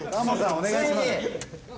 お願いします。